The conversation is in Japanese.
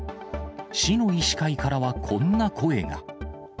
市の医師会からはこんな声が。